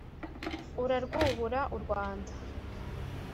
urarwubura u rwanda.